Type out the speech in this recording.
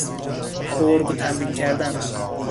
ارگ تمرین کردن